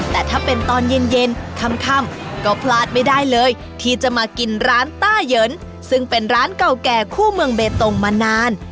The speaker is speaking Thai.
แต่ถ้าเป็นตอนเย็นค่ำก็พลาดไม่ได้เลยที่จะมากินร้านต้าเหยินซึ่งเป็นร้านเก่าแก่คู่เมืองเบตงมานาน